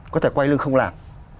có thể quay lưng không làm